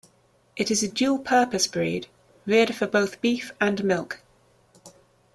It is a dual-purpose breed, reared for both beef and milk.